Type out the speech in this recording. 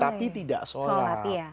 tapi tidak sholat